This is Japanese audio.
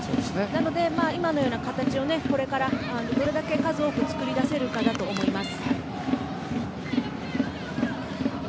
なので、今のような形をこれからどれだけ数多く作り出せるかだと思います。